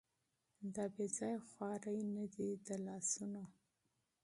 دا بېځايه خوارۍ نه دي د لاسونو